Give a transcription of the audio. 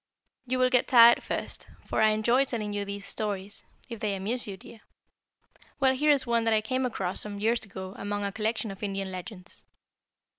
"You will get tired first, for I enjoy telling you these stories, if they amuse you, dear. Well, here is one that I came across some years ago among a collection of Indian legends.